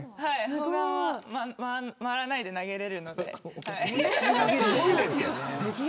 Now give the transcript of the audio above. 砲丸は回らないで投げられるので。